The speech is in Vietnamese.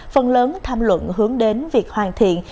phần lớn tham luận hướng đến việc hoàn thiện